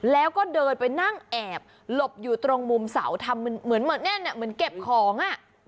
แล้วก็เดินไปนั่งแอบหลบอยู่ตรงมุมเสาทำเหมือนเก็บของ